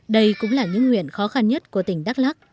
đây cũng là những huyện khó khăn nhất của tỉnh đắk lắc